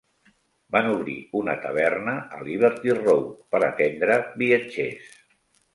Van obrir una taverna a Liberty Road per atendre viatgers.